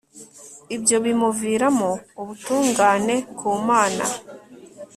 ibyo bimuviramo ubutungane ku mana